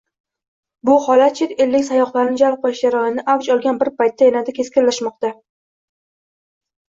Bu holat chet ellik sayyohlarni jalb qilish jarayoni avj olgan bir paytda yanada keskinlashmoqda